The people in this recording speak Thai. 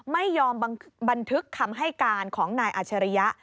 ไม่ยอมบันทึกคำให้การของนายอาชริยะ